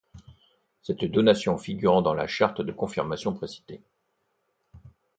Cette donation figurant dans la charte de confirmation précitée.